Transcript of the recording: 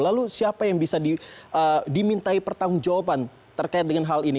lalu siapa yang bisa dimintai pertanggung jawaban terkait dengan hal ini